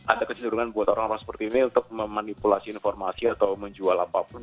ada kecenderungan buat orang orang seperti ini untuk memanipulasi informasi atau menjual apapun